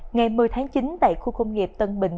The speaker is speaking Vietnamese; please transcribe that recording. ngày một mươi tháng chín tại khu công nghiệp tân bình